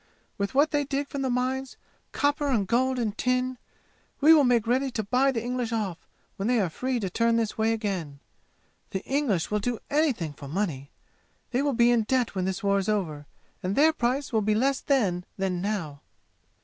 With what they dig from the mines, copper and gold and tin, we will make ready to buy the English off when they are free to turn this way again. The English will do anything for money! They will be in debt when this war is over, and their price will be less then than now!"